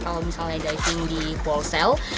kalau misalnya diving di ball cell